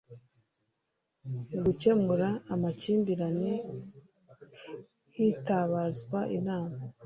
gukemura amakimbirane hitabazwa inama